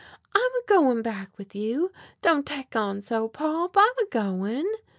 "I'm a goin' back with you. Don't tek on so, Pop, I'm a goin'!"